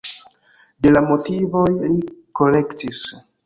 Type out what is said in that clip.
De la motivoj li korektis.